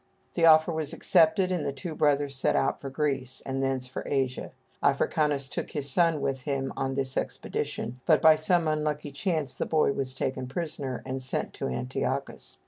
The offer was accepted, and the two brothers set out for Greece, and thence for Asia. Africanus took his son with him on this expedition, but by some unlucky chance the boy was taken prisoner, and sent to Antiochus.